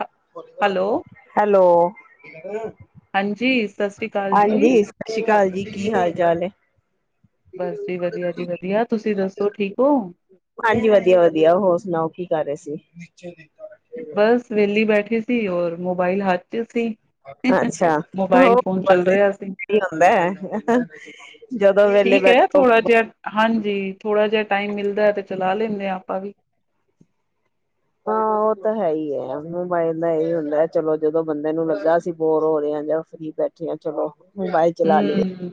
ਹ hello hello ਬ ਇੰਦਰ ਹਾਂਜੀ ਸਤਿ ਸ੍ਰੀ ਅਕਾਲ ਜੀ ਹਾਂਜੀ, ਸਤਿ ਸ਼੍ਰੀ ਅਕਾਲ ਜੀ। ਕੀ ਹਾਲ ਚਾਲ ਹੈ? ਬਸ ਜੀ ਵਧੀਆ [inaudible] ਜੀ ਵਧੀਆ ਤੁਸੀਂ ਦੱਸੋ ਠੀਕ ਹੋ ਹਾਂਜੀ ਵਧੀਆ ਵਧੀਆ ਹੋਰ ਸੁਣਾਓ, ਕੀ ਕਰ ਰਹੇ ਸੀ? ਬੱਚੇ ਨਹੀਂ ਘਰ। ਬਸ ਵਿਹਲੀ ਬੈਠ ਏ ਸੀ, ਔਰ ਮੋਬਾਈਲ ਹੱਥ ਤੁਸੀਂ ਅੱਛਾ ਹੋ ਮੋਬਾਇਲ ਫੋਨ ਚੱਲ ਬਸ ਰਿਹਾ ਸੀ, ਇਹੀ ਹੁੰਦਾ ਹੈ ਜਦੋਂ ਵੇਲੇ ਠੀਕ ਹੈ ਬੈਠੋ ਥੋੜਾ ਜਿਹਾ, ਹਾਂਜੀ ਥੋੜਾ ਜਿਹਾ ਟਾਈਮ ਮਿਲਦਾ ਤੇ ਚਲਾ ਲੈਣੇ ਆ, ਆਪਾਂ ਵੀ। ਹਾਂ ਉਹ ਤਾਂ ਹੈ ਹੀ ਹੈ, ਮੋਬਾਇਲ ਦਾ ਇਹੀ ਹੁੰਦਾ ਚਲੋ, ਜਦੋਂ ਬੰਦੇ ਨੂੰ ਲੱਗਾ ਅਸੀਂ ਬੋਰ ਹੋ ਰਹੇ ਹਾਂ, ਜਾਂ ਫ੍ਰੀ ਬੈਠੇ ਹਾਂ ਚਲੋ। ਮੋਬਾਇਲ ਚਲਾ ਲਈਏ ਹਮ।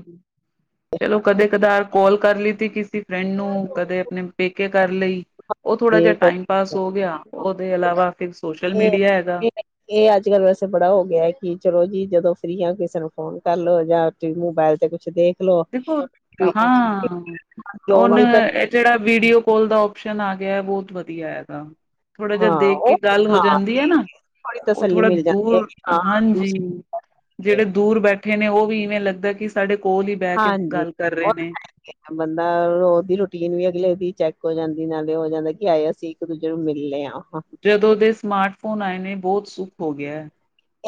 ਚਲੋ ਕਦੇ ਕਦਾਰ ਕੌਲ ਕਰ ਲੀਤੀ ਕਿਸੇ ਫਰੈਂਡ ਨੂੰ, ਕਦੇ ਆਪਣੇ ਪੇਕੇ ਕਰ ਲਈ ਉਹ ਥੋੜਾ ਜਿਹਾ ਠੀਕ ਟਾਈਮ ਪਾਸ ਹੋ ਗਿਆ, ਉਹਦੇ ਇਲਾਵਾ ਫਿਰ ਸੋਸ਼ਲ ਇਹ ਮੀਡੀਆ ਹੈਗਾ ਇਹ ਅੱਜ ਕੱਲ ਰੀਆਂ ਕਿਸੇ ਨੂੰ ਫੋਨ ਕਰ ਲੋ, ਜਾਂ ਮੋਬਾਇਲ ਤੇ ਕੁਛ ਦੇ ਦੇਖੋ, ਹਾਂ, ਲੋਨ ਉਹਨ ਨੀ ਪੈ ਇਹ ਜਿਹੜਾ ਵੀਡੀਓ ਕੋਲ ਦਾ ਓਪਸ਼ਨ ਆ ਗਿਆ, ਬਹੁਤ ਵਧੀਆ ਹੈਗਾ। ਥੋੜਾ ਜਿਹਾ ਹਾਂ, ਦੇਖ ਕੇ ਉਹ ਗੱਲ ਹੋ ਹਾਂ, ਜਾਂਦੀ ਹੈ ਨਾ, ਥੋੜੀ ਉਹ ਤਸੱਲੀ ਥੋੜਾ ਮਿਲ ਜਾਂਦੀ ਹੈ ਦੂਰ ਕਿ ਹਾਂ ਹਾਂਜੀ ਦੂਸਰੀ ਹੈ। ਜਿਹੜੇ ਦੂਰ ਬੈਠੇ ਬੈਠੇ ਨੇ, ਉਹ ਵੀ ਇਵੇਂ ਲੱਗਦਾ ਕਿ ਸਾਡੇ ਕੋਲ ਦੀ ਹਾਂਜੀ ਹੈ ਬੰਦਾਦੀ ਰੂਟੀਨ ਵੀ ਅਗਲੇ ਦੀ ਚੈੱਕ ਹੋ ਜਾਂਦੀ ਨਾਲੇ ਹੋ ਜਾਂਦਾ ਕਿ ਆਏ ਅਸੀਂ, ਇੱਕ, ਦੂਜੇ ਨੂੰ ਮਿਲਦੇ ਹਾਂ। ਜਦੋਂ ਦੇ ਸਮਾਰਟਫੋਨ ਆਏ ਨੇ ਬਹੁਤ ਸੁਖ ਹੋ ਗਿਆ।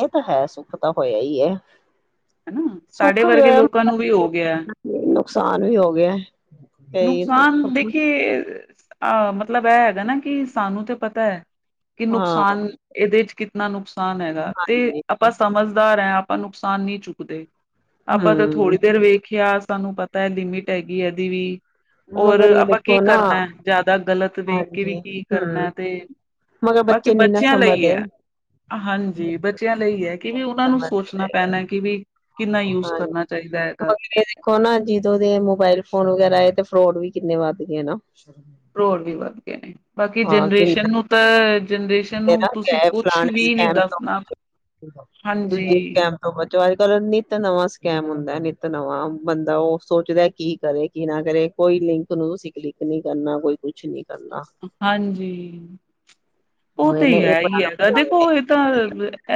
ਇਹ ਤਾਂ ਹੈ, ਸੁੱਖ ਤਾਂ ਹੋਇਆ ਹੀ ਹੈ। ਹਨਾ ਸਾਡੇ ਸੁੱਖ ਵੀ ਵਰਗੇ ਹੋਇਆ, ਲੋਕਾਂ ਨੂੰ ਵੀ ਹੋ ਗਿਆ। ਨੁਕਸਾਨ ਵੀ ਹੋ ਗਿਆ। ਕਈ ਨੁਕਸਾਨ ਦੁੱਖ। ਦੇਖੇ। ਅਹ ਮਤਲਬ ਇਹ ਹੈਗਾ ਨਾ, ਕਿ ਸਾਨੂੰ ਤੇ ਪਤਾ ਹੈ। ਕਿ ਹਾਂ, ਨੁਕਸਾਨ ਇਹਦੇ ਚ ਕਿਤਨਾ ਨੁਕਸ ਨੁਕਸਾਨ ਹੈਗਾ ਤੇ, ਹਾਂਜੀ। ਆਪਾਂ ਸਮਝਦਾਰ ਹੈ। ਆਪਾਂ ਨੁਕਸਾਨ ਨਹੀਂ ਚੁੱਕਦੇ। ਆਪਾਂ ਤਾਂ ਹੂੰ, ਥੋੜ੍ਹੀ ਦੇਰ ਵੇਖਿਆ ਤੁਹਾਨੂੰ ਪਤਾ ਹੈ, ਲਿਮਿਟ ਹੈਗੀ ਇਹਦੀ ਵੀ ਹੋਰ ਮਗਰ ਇਹ ਆਪਾਂ ਕੀ ਦੇਖੋ ਨਾ ਕਰਨਾ ਜ਼ਿਆਦਾ ਗਲਤ ਦੇਖ ਕੇ ਵੀ ਹਾਂਜੀ, ਕੀ ਹੂੰ ਕਰਨਾ ਤੇ, ਮਗਰ ਬਾਕੀ ਬੱਚੇ ਨੀ ਨਾ ਬੱਚਿਆਂ ਲਈ ਸਮਝਦੇ ਹੈ ਹਾਂਜੀ ਬੱਚਿਆਂ ਲਈ ਹੈ ਕਿ ਵੀ ਉਹਨਾਂ ਨੂੰ ਸਮਝਦੇ ਸੋਚਣਾ ਪਏ ਗੱਲ ਪੈਣਾ ਕਿ ਵੀ ਕਿੰਨਾ ਯੂਜ ਹਾਂਜੀ। ਕਰਨਾ ਚਾਹੀਦਾ ਇਹਦਾ ਮਗਰ ਇਹ ਦੇਖੋ ਨਾ ਜਦੋਂ ਦੇ ਮੋਬਾਇਲ ਫੋਨ ਵਗੈਰਾ ਤੇ ਫਰੋਡ ਵੀ ਕਿੰਨੇ ਵੱਧ ਗਆਂ ਨਾ। ਰੋਰ ਵੀ ਵੱਧ ਗਏ ਨੇ। ਬਾਕੀ ਹਾਂ ਜਨਰੇਸ਼ਨ ਕਿੰਨਾ ਨੂੰ ਤਾਂ ਜਨਰੇਸ਼ਨ ਨੂੰ ਨਾ ਤੁਸੀਂ ਕੁਛ ਫਲਾਣੇ ਵੀ ਨਹੀਂ ਸਕੈਮ ਤੋਂ ਦੱਸਣਾ ਬਚੋ, ਦੂਜੇ ਹਾਂਜੀ ਸਕੈਮ ਤੋਂ ਬਚੋ, ਅੱਜ-ਕਲ ਨਿੱਤ ਨਵਾਂ ਸਕੈਮ ਹੁੰਦਾ। ਨਿੱਤ ਨਵਾਂ ਬੰਦਾ ਉਹ ਸੋਚਦਾ ਕੀ ਕਰੇ, ਕੀ ਨਾ ਕਰੇ, ਕੋਈ ਲਿੰਕ ਨੂੰ ਤੁਸੀਂ ਕਲਿੱਕ ਨਹੀਂ ਕਰਨਾ ਕੋਈ ਕੁਛ ਨੀ ਹਾਂਜੀ। ਉਹ ਹੋਏ ਤੇ, ਨਾ ਇਹ ਹੈ ਬੜਾ ਹੀ ਹੈਗਾ, ਨੁਕਸਾਨ ਦੇਖੋ ਇਹ ਤਾਂ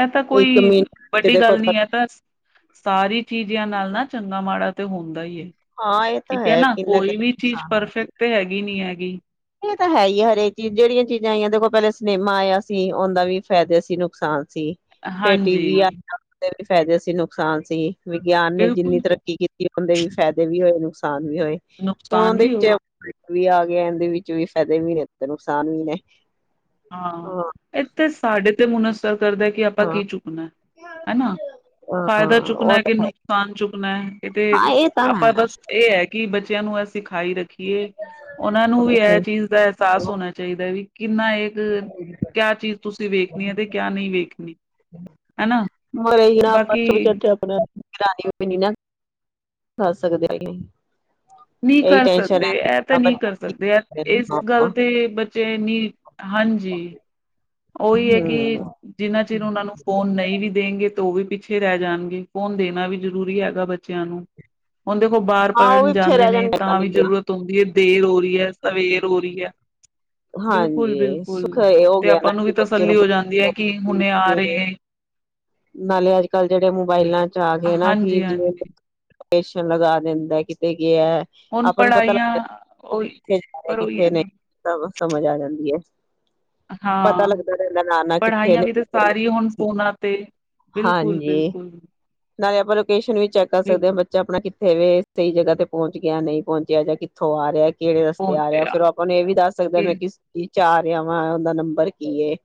ਇਹ ਤਾਂ ਕੋਈ ਇੱਕ ਮਿੰਟ ਚ ਵੱਡੀ ਦੇਖੋ ਗੱਲ ਨੀ, ਹੈ ਤਾਂ ਸਾਰੀ ਚੀਜ਼ਾਂ ਨਾਲ ਨਾ ਚੰਗਾ ਮਾੜਾ ਤੇ ਹੁੰਦਾ ਈਏ ਹਾਂ ਇਹ ਤਾਂ ਠੀਕ ਹੈ ਨਾ ਕਿੰਨਾ ਕੋਈ ਕਿੰਨਾ ਵੀ ਚੀਜ਼ ਨੁਕਸਾਨ ਪਰਫੈਕਟ ਤੇ ਹੈਗੀ ਨੀ ਐ। ਵੀ ਏ, ਤਾ, ਹੈ ਈ, ਐ, ਹਰੇਕ ਚੀਜ਼ ਜਿਹੜੀਆਂ ਚੀਜ਼ਾਂ ਆਈਆਂ ਦੇਖੋ ਪੈਲੇ ਸਿਨੇਮਾ ਆਯਾ ਸੀ, ਔੰਦਾ ਵੀ ਫੈਦੇ ਸੀ ਨੁਕਸਾਨ ਸੀ ਫੇਰ ਟੀ ਵੀ ਆਯਾ, ਹਾਂਜੀ ਫੇਰ ਫੈਦੇ ਸੀ ਨੁਕਸਾਨ ਸੀ। ਵਿਗਿਆਨ ਨੇ ਜਿੰਨੀ ਬਿਲਕੁਲ ਤਰੱਕੀ ਕੀਤ ਤੀ ਔੰਦੇ ਵੀ ਫੈਦੇ ਵੀ ਹੋਏ ਨੁਕਸਾਨ ਵੀ ਹੋਏ ਹੁਣ ਨੁਕਸਾਨ ਔੰਦੇ ਵੀ ਹੋਏ ਵਿੱਚ ਵੀ ਆ ਗਿਆ ਐੰਦੇ ਵੀ ਵਿਚ ਫੈਦੇ ਵੀ ਨੇ, ਨੁਕਸਾਨ ਵੀ ਨੇ। ਹਾਂ, ਏਥੇ ਸਾਡੇ ਤੇ ਮੁਨਸਬ ਕਰਦੈ ਕਿ ਅਪਾਂ ਹਾਂ ਕੀ ਚੁੱਕਣੈ ਹੈਨਾ, ਫਾਇਦਾ ਹਾਂ ਚੁੱਕਣਾ ਉਹ ਏ, ਕੇ ਤਾਂ ਹੈ ਨੁਕਸਾਨ ਚੁੱਕਣੈ, ਇਹ ਤੇ ਹਾਂ ਇਹ ਤਾਂ ਆਪਾਂ ਹੈ। ਬਸ ਏਹ ਹੈ ਕਿ ਬੱਚ ਚੈ ਨੂ ਅਸ ਸਿਖਾਈ ਰੱਖੀਏ ਔੰਨਾਂ ਨੂੰ ਵੀ, ਐ ਚੀਜ਼ ਦਾ ਅਹਸਾਸ ਹੋਣਾ ਚਾਈਦਾ ਵੀ ਕਿੰਨਾ ਏ। ਤ ਕਿਆ ਚੀਜ਼ ਤੁਸੀਂ ਵੇਖਣੀ ਐ ਤੇ, ਕਿਆ ਨਹੀਂ ਵੇਖਣੀ ਹੈਨਾ। ਬਿਨਾਂ ਬਾਦ ਚਵੀ ਕੈਦੇ ਆਪਣੈ ਫਿਰਾਣੀ ਔ ਪੀਣੀ ਨਾ, ਕਰ ਸਕਦੇ ਨਹੀਂ। ਨੀਂ ਕਰ ਸਕਦੇ ਐ ਤੇ, ਨ੍ਹੀਂ ਕਰ ਸਕਦੇ ਐ ਹੈ ਏਸ ਗੱਲ ਤੇ ਬੱਚੇ ਨੀ ਹਾਂਜੀ। ਓਹੀ ਹੈ ਕਿ ਹੂੰ। ਜਿੰਨਾਂ ਚਿਰ ਉਨਾਂ ਨੂੰ ਫੋਨ ਨਹੀਂ ਵੀ ਦੇਂਗੇ ਤੋਂ ਵੀ ਪਿੱਛੇ ਰੈ ਜਾਣਗੇ, ਫੋਨ ਦੇਣਾ ਵੀ ਜ਼ਰੂਰੀ ਹੈਗਾ ਬੱਚਿਆਂ ਨੂੰ। ਹੋਣ, ਦੇਖੋ ਬਾਰ ਹਾਂ ਉਹ ਪੜ੍ਹਨ ਵੀ ਪਿੱਛੇ ਜਾਂਦੇ ਰਹਿ ਨੇ ਜਾਣਗੇ ਪਤਾ ਤਾਂ ਨੀ ਵੀ, ਗਿਆ ਜ਼ਰੂਰਤ ਹੁੰਦੀ ਏ। ਦੇਰ ਹੋ ਰੀ ਐ, ਸਵੇਰ ਹੋ ਰੀ ਐ। ਹਾਂਜੀ ਸੁਖ ਏਹੋ ਤੇ ਆਪਾਂ ਨੂੰ ਵੀ ਤਸੱਲੀ ਹੋ ਜਾਂਦੀ ਐ ਕਿ, ਹੁਣੇ ਆ ਰਹੇ ਏ। ਨਾਲੇ, ਅੱਜ- ਕੱਲ੍ਹ ਜੇੜੇ ਮੋਬਾਇਲਾਂ ਜਾ, ਗੇ, ਨਾ, ਕੀ, ਹਾਂਜੀ ਜਿਵੇ ਹਾਂਜੀ ਪੇਸ਼ਨ ਲਗਾ ਦਿੰਦਾ ਕਿਤੇ ਹੁਣ ਆਪਾਂ ਨੂੰ ਪਤਾ ਪੜ੍ਹਾਈਆਂ ਲੱਗਦਾ ਉਹੀ ਕਿੱਥੇ ਜਾ ਰਿਹਾ, ਪਰ ਉਹੀ ਕਿੱਥੇ ਹੈ ਨਾ ਨਹੀਂ ਸਮਝ ਆ ਜਾਂਦੀ ਹੈ। ਪਤਾ ਹਾਂ ਲੱਗਦਾ ਰਹਿੰਦਾ ਨਾ-ਨਾ ਕਿੱਥੇ ਪੜ੍ਹਾਈਆਂ ਨੇ ਵੀ ਤਾਂ, ਸਾਰੀ ਹੁਣ ਫੋਨਾਂ ਅਤੇ ਹਾਂਜੀ ਨਾਲੇ ਆਪਾਂ ਲੋਕੇਸ਼ਨ ਵੀ ਚੈੱਕ ਕਰ ਸਕਦੇ ਹਾਂ ਬੱਚਾ ਆਪਣਾ ਇੱਥੇ ਵੀ ਸਹੀ ਜਗ੍ਹਾ ਤੇ ਪਹੁੰਚ ਗਿਆ, ਨਹੀਂ ਪਹੁੰਚਿਆ ਜਾਂ ਕਿੱਥੋਂ ਆ ਰਿਹਾ ਕਿਹੜੇ ਰਸਤੇ ਆ ਰਹੇ, ਫਿਰਰ ਪਹੁੰਚਿਆ ਆਪਾਂ ਨੂੰ ਇਹ ਵੀ ਦੱਸ ਸਕਦੇ ਹ ਇਹ ਮੈਂ ਕਿਸ ਚ ਚਾਰ ਆਵਾਂ ਉਹਦਾ ਨੰਬਰ ਕੀ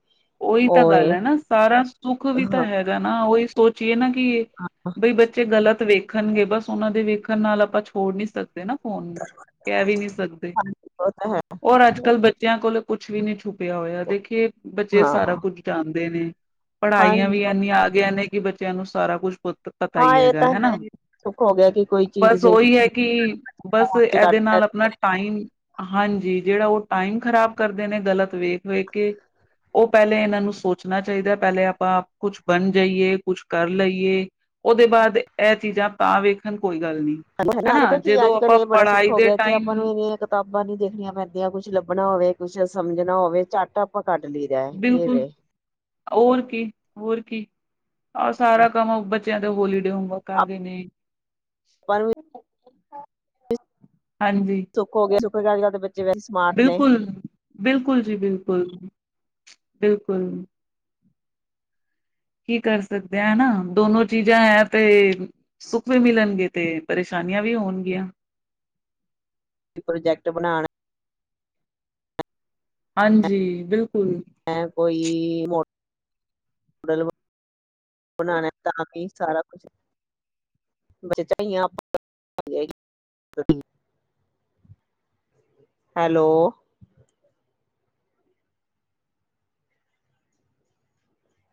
ਉਹੀ ਤਾਂ ਉਹ ਗੱਲ ਏ ਹੈ, ਨਾ ਸਾਰਾ ਸੁੱਖ ਵੀ ਤਾਂ ਹਾਂ ਹੈਗਾ ਨਾ, ਉਹ ਸੋਚੀਏ ਨਾ। ਬਈ ਬੱਚੇ ਗਲਤ ਵੇਖਣਗੇ, ਬਸ ਉਹਨਾਂ ਦੇ ਵੇਖ ਣ ਨਾਲ ਆਪਾਂ ਛੋੜ ਨੀ ਸਕਦੇ ਨਾ। ਫੋਨ ਕਹਿ ਵੀ ਨੀ ਸਕਦੇ ਹਾਂਜੀ ਉਹ ਤਾਂ ਹੈ ਔਰ਼਼, ਅੱਜ ਕੱਲ ਬੱਚਿਆਂ ਕੋਲ ਕੁਛ ਵੀ ਨਹੀਂ ਛੁਪਿਆ ਹੋਇਆ ਦੇਖੀਏ ਬ ਸਾਰਾ, ਹਾਂ ਕੁੱਝ ਜਾਂਦਾ। ਹੁੰਦੇ ਨ। ਪੜ੍ਹਾਈਆਂ ਹਾਂਜੀ ਵੀ ਉਹ ਇਨੀਆਂ ਆ ਗਈਆਂ ਨੇ ਕਿ ਬੱਚ ਬੱਚਿਆਂ ਨੂੰ ਸਾਰਾ ਕੁੱਛ ਪਤਾ ਹਾਂ ਹੀ ਇਹ ਹੈਗਾ ਤਾਂ ਹੈ ਹੈਨਾ ਹੀ। ਸੁੱਖ ਹੋ ਗਿਆ ਕਿ ਕੋਈ ਚੀਜ਼ ਬਸ ਦੇਖ ਉਹੀ ਹੈ, ਕਿ ਬਸ ਫੋਨ ਚ ਕੱਢ ਇਹਦੇ ਨਾਲ ਲੈਂਦੇ ਆਪਣਾ ਟਾਈਮ ਹਾਂਜੀ ਜਿਹੜਾ ਉਹ ਟਾਈਮ ਖ਼ਰਾਬ ਕਰਦੇ ਨੇ ਗਲਤ ਵੇਖ -ਵੇਖ ਕੇ ਉਹ ਪਹਿਲੇ ਇਹਨਾਂ ਨੂੰ ਸੋਚਣਾ ਚਾਹੀਦਾ, ਪਹਿਲੇ ਆਪਾਂ ਕੁਛ ਬਣ ਜਾਈਏ, ਕੁਛ ਕਰ ਲਈਏ, ਉਹਦੇ ਬਾਅਦ ਇਹ ਚੀਜ਼ਾਂ ਤਾਂ ਵੇਖਣ ਕੋਈ ਗੱਲ ਨਹੀਂ ਹਨਾ ਲੱਗਦਾ ਕੀ ਜਦੋਂ ਅੱਜ ਕੱਲ ਆਪਾਂ ਇਹ ਬੜਾ ਸੁੱਖ ਪੜ੍ਹਾਈ ਹੋ ਦੇ ਗਿਆ ਕਿ, ਆਪਾਂ ਨੂੰ ਟਾਈਮ ਇਨੀਆਂ ਕਿਤਾਬਾਂ ਨੀ ਦੇਖਣੀਆਂ ਪੈਂਦੀਆਂ ਕੁਛ ਲੱਭਣਾ ਹੋਵੇ ਕੁਛ ਸਮਝਣਾ ਹੋਵੇ ਚੱਟ ਆਪ ਕੱਢ ਲਈਦਾ ਇਹ ਬਿਲਕੁਲ ਵ ਹੋਰ ਕੀ, ਹੋਰ ਕੀ। ਆਹ ਸਾਰਾ ਕੰਮ ਬੱਚਾ ਹੋਲੀ। ਹੋਮਵਕ ਆਗੇ ਨੇ ਆਪਾਂ ਨੂੰ ਵੀ ਹਾਂਜੀ ਚੁੱਪ ਹੋਗਿਆ ੀਆਂ ਦੇ ਵਿੱਚ ਬਿਲਕੁਲ ਬਿਲਕੁਲ ਜੀ ਬਿਲਕੁਲ [unintelligible] ਬਿਲਕੁਲ ਕੀ ਕਰ ਸਕਦੇ ਆ ਹਨਾ ਦੋਨੋ ਚੀਜ਼ਾਂ ਹੈ ਤੇ ਸੁੱਖ ਵੀ ਮਿਲਣਗੇ ਤੇ ਪਰੇਸ਼ਾਨੀਆਂ ਵੀ ਹੋਣਗੀਆਂ। ਪ੍ਰੋਜੈਕਟ ਬਣਾਣਾ ਹਾਂਜੀ ਬਿਲਕੁਲ ਹੈ ਕੋਈ ਨਡਲ ਬਣਾਣਾ ਤਾਂ ਵੀ ਸਾਰਾ ਕੁਛ ਹੈਲੋ